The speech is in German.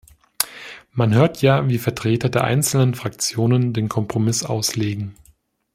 Man hört ja, wie Vertreter der einzelnen Fraktionen den Kompromiss auslegen.